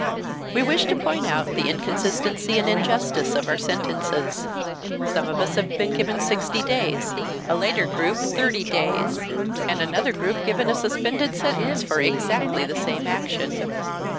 We wish to point out the inconsistency and injustice of our sentences—some of us have been given sixty days, a later group thirty days, and another group given a suspended sentence for exactly the same action.